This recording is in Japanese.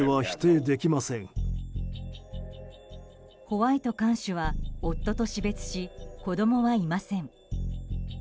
ホワイト看守は夫と死別し子供はいません。